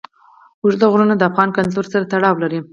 اوږده غرونه د افغان کلتور سره تړاو لري.